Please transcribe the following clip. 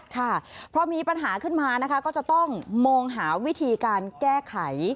ค่ะพอมีปัญหาขึ้นมานะคะก็จะต้องมองหาวิธีการแก้ไข